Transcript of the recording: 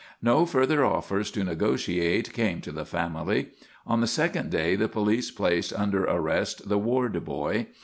No further offers to negotiate came to the family. On the second day the police placed under arrest the Ward boy.